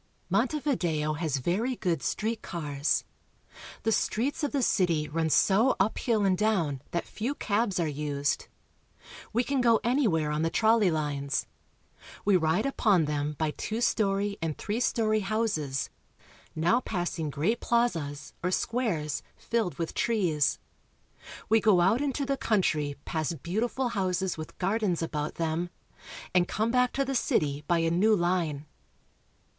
Montevideo has very good street cars. The streets of the city run so up hill and down that few cabs are used. We can go anywhere on the trolley lines. We ride upon them by two story and three story houses, now passing " We visit the Solis Theater." great plazas, or squares, filled with trees. We go out into the country, past beautiful houses with gardens about them, and come back to the city by a new line.